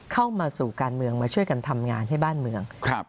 เข้ามาสู่การเมืองมาช่วยกันทำงานให้บ้านเมือง